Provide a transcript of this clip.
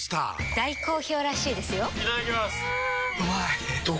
大好評らしいですよんうまい！